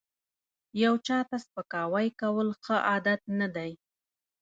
یو چاته سپکاوی کول ښه عادت نه دی